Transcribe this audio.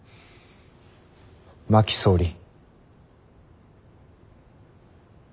真木総理。